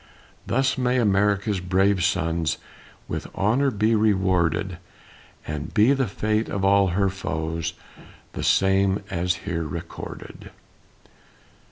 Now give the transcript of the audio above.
Thus may America's brave sons With honor be rewarded, And be the fate of all her foes The same as here recorded.